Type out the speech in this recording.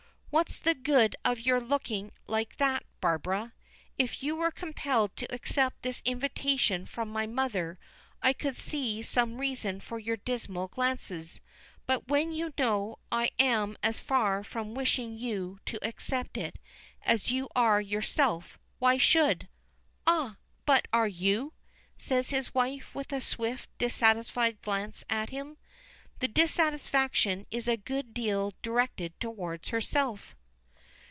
"What's the good of your looking like that, Barbara? If you were compelled to accept this invitation from my mother, I could see some reason for your dismal glances, but when you know I am as far from wishing you to accept it as you are yourself, why should ?" "Ah! but are you?" says his wife with a swift, dissatisfied glance at him. The dissatisfaction is a good deal directed toward herself.